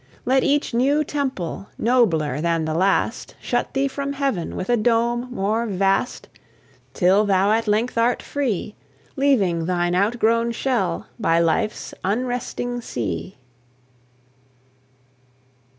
Let each new temple, nobler than the last, Shut thee from heaven with a dome more vast, Till thou at length art free, Leaving thine outgrown shell by life's unresting sea!